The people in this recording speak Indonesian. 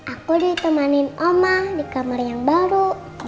aku ditemanin oma di kamar yang baru